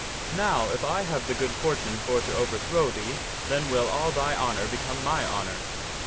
Now, if I have the good fortune for to overthrow thee, then will all thy honor become my honor.